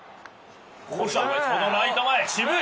このライト前渋い！